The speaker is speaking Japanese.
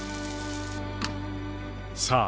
さあ